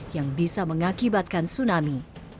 yang bisa mengakibatkan tsunami